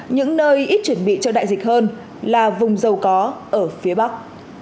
những nơi ít chuẩn bị cho đại dịch hơn là vùng giàu có ở phía bắc